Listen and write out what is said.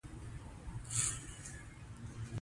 استاد بینوا د هيواد د با احساسه لیکوالانو له ډلې څخه و.